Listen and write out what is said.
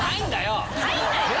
入んないよ！